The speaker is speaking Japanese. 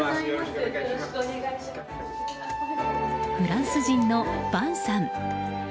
フランス人のヴァンさん。